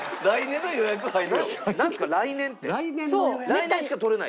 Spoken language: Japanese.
来年しか取れない？